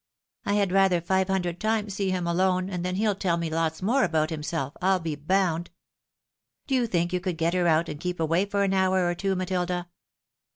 I had rather five hundred times see him alone, and then he'U tell me lots more about himself, PU be bound. Do you think you could get her out, and keep away for an hour or two, MatOda